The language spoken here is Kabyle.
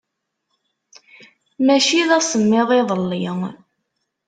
Maci d asemmiḍ iḍelli.